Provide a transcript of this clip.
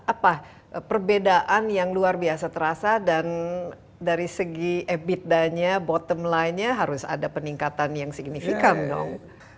apa perbedaan yang luar biasa terasa dan dari segi ebitdanya bottom line nya harus ada peningkatan yang signifikan dong